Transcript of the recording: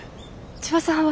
千葉さんは？